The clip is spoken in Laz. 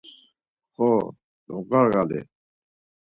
Xo, dobğarğali.